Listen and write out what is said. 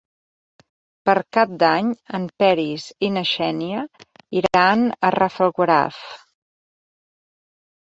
Per Cap d'Any en Peris i na Xènia iran a Rafelguaraf.